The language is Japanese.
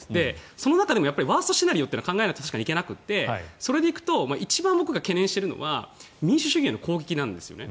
その中でもワーストシナリオは考えないといけなくてそれでいうと僕が一番懸念しているのは民主主義への攻撃なんですよね。